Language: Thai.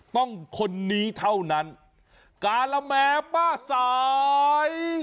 ต้องเรียกป้าสาย